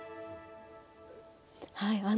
はい。